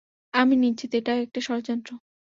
আমি নিশ্চিত এটা একটা ষড়যন্ত্র।